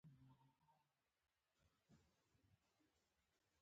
زه د معلوماتو دومره تږی وم چې ډېر وخت مې صبر ونه کړ.